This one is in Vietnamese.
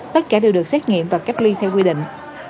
tất cả đều được xét nghiệm và cách ly theo quy định